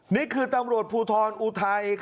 นี่คือตำรวจภูทรอุทัย